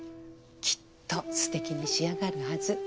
きっとすてきに仕上がるはず。